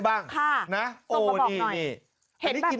รังโกหิน